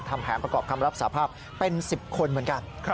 ทำแผนประกอบคำรับสาภาพเป็น๑๐คนเหมือนกัน